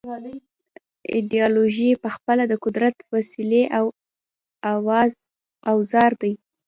ایدیالوژۍ پخپله د قدرت وسیلې او اوزار دي.